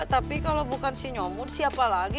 tapi kalau bukan si nyomud siapa lagi